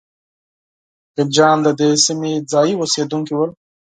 خلجیان د دې سیمې ځايي اوسېدونکي ول.